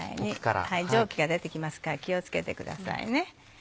蒸気が出てきますから気を付けてくださいね。